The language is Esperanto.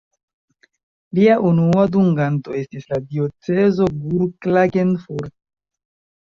Lia unua dunganto estis la diocezo Gurk-Klagenfurt.